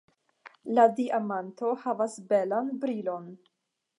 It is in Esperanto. La diamanto havas belan brilon.